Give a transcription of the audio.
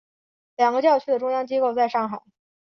两个教区的中央机构在上海。